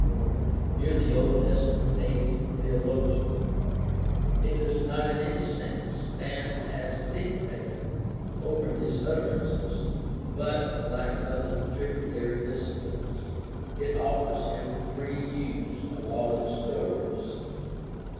Here the Old Testament aids the theologian. It does not in any sense stand as dictator over his utterances, but, like other tributary disciplines, it offers him free use of all its stores.